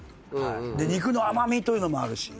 肉の甘味というのもあるし。